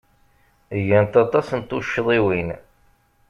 Gant aṭas n tuccḍiwin.